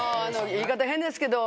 言い方変ですけど。